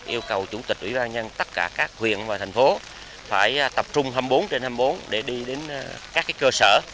yêu cầu chủ tịch ủy ban nhân tất cả các huyện và thành phố phải tập trung hai mươi bốn trên hai mươi bốn để đi đến các cơ sở